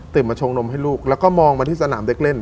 มาชงนมให้ลูกแล้วก็มองมาที่สนามเด็กเล่น